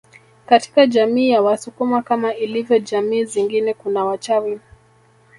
Katika jamii ya wasukuma kama ilivyo jamii zingine kuna wachawi